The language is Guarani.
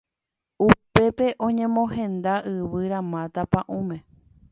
Upépe oñemohenda yvyramáta pa'ũme